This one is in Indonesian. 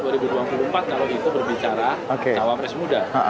kalau itu berbicara cawapres muda